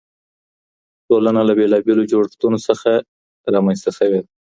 ټولنه له بیلا بیلو جوړښتونو څخه رامنځته سوي ده.